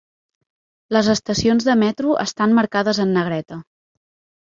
Les estacions de metro estan marcades en negreta.